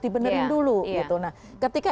dibenerin dulu nah ketika